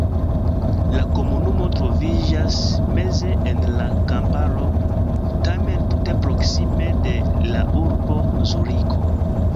La komunumo troviĝas meze en la kamparo, tamen tute proksime de la urbo Zuriko.